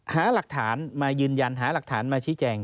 หาหลักฐานมายืนยันหาหลักฐานมาชี้แจง